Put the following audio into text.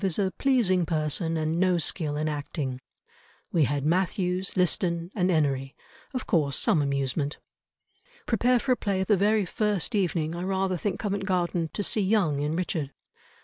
is a pleasing person and no skill in acting. We had Mathews, Liston, and Enery; of course some amusement." "Prepare for a play the very first evening, I rather think Covent Garden, to see Young in Richard."